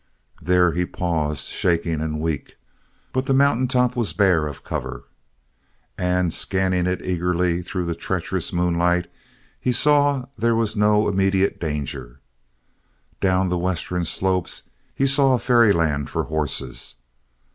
There he paused, shaking and weak, but the mountain top was bare of covert, and scanning it eagerly through the treacherous moonlight he saw there was no immediate danger. Down the Western slopes he saw a fairyland for horses.